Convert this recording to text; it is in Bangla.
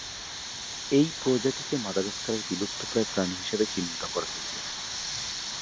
এই প্রজাতিকে মাদাগাস্কারের বিলুপ্তপ্রায় প্রাণী হিসেবে চিহ্নিত করা হয়েছে।